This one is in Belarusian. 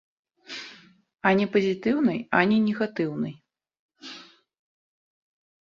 Ані пазітыўнай, ані негатыўнай.